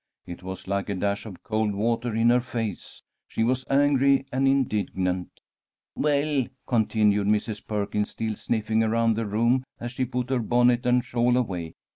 It was like a dash of cold water in her face. She was angry and indignant. "Well," continued Mrs. Perkins, still sniffing around the room, as she put her bonnet and shawl away.